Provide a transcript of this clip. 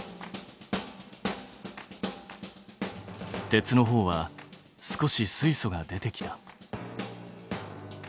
鉄のほうは少し水素が出てきた。